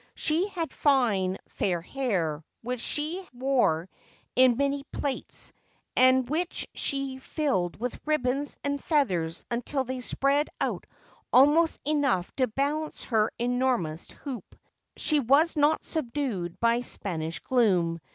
She had fine, fair hair, which she wore in many plaits, and which she filled with ribbons and feathers until they spread out almost enough to balance her enormous hoop. She was not subdued by Spanish gloom.